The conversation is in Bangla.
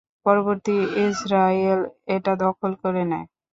পরবর্তীতে ইজরায়েল এটা দখল করে নেয়।